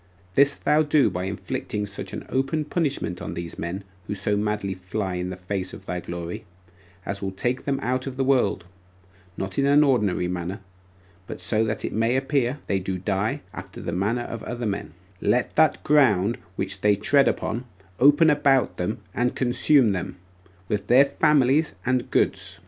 This thou do by inflicting such an open punishment on these men who so madly fly in the face of thy glory, as will take them out of the world, not in an manner, but so that it may appear they do die after the manner of other men: let that ground which they tread upon open about them and consume them, with their families and goods.